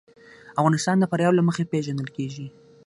افغانستان د فاریاب له مخې پېژندل کېږي.